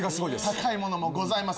高いものもございます。